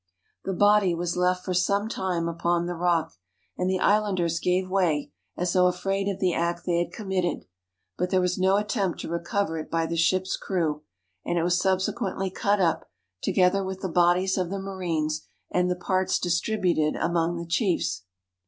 The body was left some time upon the rock, and the islanders gave way, as though afraid of the act they had com mitted; but there was no attempt to recover it by the ship's crew, and it was subsequently cut up, together with the bodies of the marines, and the parts distributed among the chiefs.